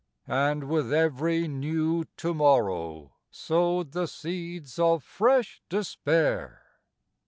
And with every new to morrow, Sowed the seeds of fresh despair?